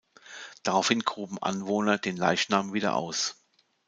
Daraufhin gruben Anwohner den Leichnam wieder aus.